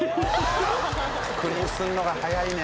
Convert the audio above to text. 確認するのが早いね。